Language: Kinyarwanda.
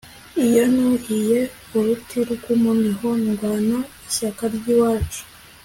iyo nuhiye uruti rwumuniho ndwana ishyaka ryiwacu